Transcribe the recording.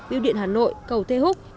biểu điện hà nội cầu thê húc